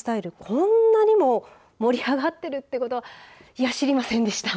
こんなにも盛り上がってるということは知りませんでした。